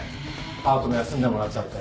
パートも休んでもらっちゃって。